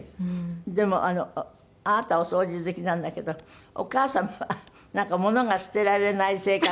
でもあなたお掃除好きなんだけどお母様はなんかものが捨てられない性格。